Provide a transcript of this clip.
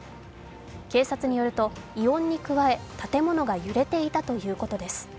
警察によると、異音に加え建物が揺れていたということです。